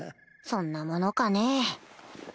そんなものかね